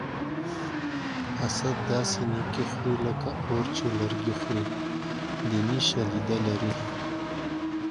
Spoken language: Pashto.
حسد داسې نیکي خوري لکه اور چې لرګي خوري دیني شالید لري